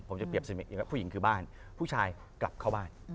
ผมจะเปรียบเสมือนอีกแล้วผู้หญิงคือบ้านผู้ชายกลับเข้าบ้าน